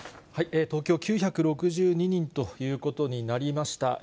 東京９６２人ということになりました。